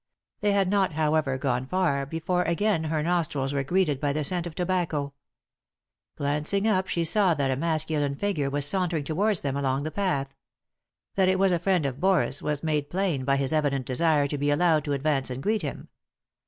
They had not, however, gone tar before again her nostrils were greeted by the scent of tobacco. Glancing up she saw that a masculine figure was sauntering towards them along the path. That it was a friend of Boris' was made plain by his evident desire to be allowed to advance and greet him.